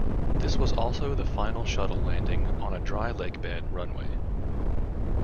This was also the final shuttle landing on a dry lake bed runway.